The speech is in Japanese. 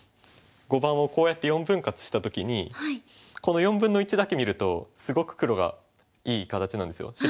碁盤をこうやって４分割した時にこの４分の１だけ見るとすごく黒がいい形なんですよ。